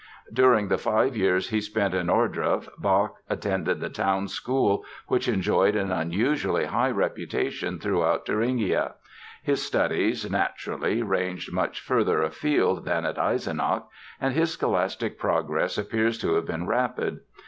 During the five years he spent in Ohrdruf Bach attended the town school which enjoyed an unusually high reputation throughout Thuringia. His studies, naturally, ranged much further afield than at Eisenach and his scholastic progress appears to have been rapid.